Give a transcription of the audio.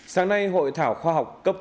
sáng nay hội thảo khoa học cấp